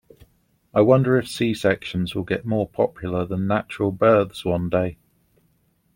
I wonder if C-sections will get more popular than natural births one day.